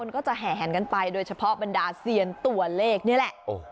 มันก็จะแหนกันไปโดยเฉพาะบรรดาเซียนตัวเลขนี่แหละ